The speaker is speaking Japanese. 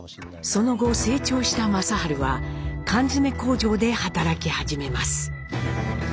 その後成長した正治は缶詰工場で働き始めます。